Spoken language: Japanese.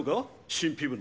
神秘部の